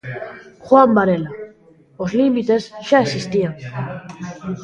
Juan Varela: Os límites xa existían.